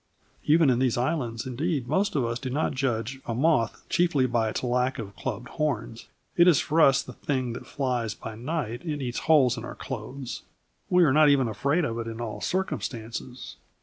Even in these islands, indeed, most of us do not judge a moth chiefly by its lack of clubbed horns. It is for us the thing that flies by night and eats holes in our clothes. We are not even afraid of it in all circumstances.